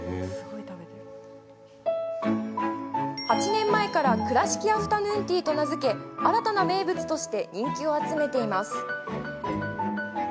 ８年前から倉敷アフタヌーンティーと名付け新たな名物として人気を集めています。